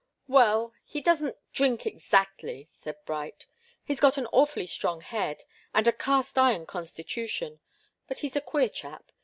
"Well, he doesn't drink exactly," said Bright. "He's got an awfully strong head and a cast iron constitution, but he's a queer chap.